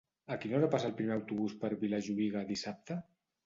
A quina hora passa el primer autobús per Vilajuïga dissabte?